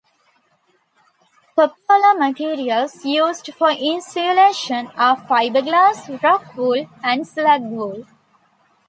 Popular materials used for insulation are fiber glass, rock wool, and slag wool.